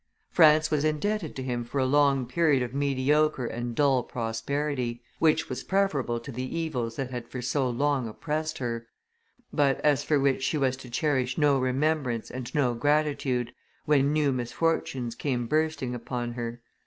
France was indebted to him for a long period of mediocre and dull prosperity, which was preferable to the evils that had for so long oppressed her, but as for which she was to cherish no remembrance and no gratitude, when new misfortunes came bursting upon her.